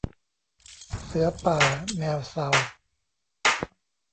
เสือป่าแมวเซา